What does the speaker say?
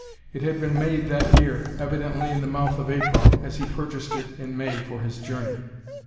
It had been made that year, evidently in the mouth of April, as he purchased it in May for his journey.